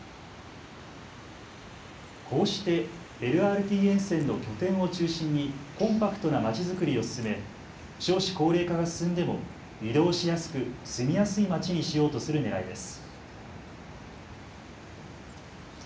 こうしてＬＲＴ沿線の拠点を中心にコンパクトなまちづくりを進め少子高齢化が進んでも移動しやすく住みやすいまちにしようとするねらいです。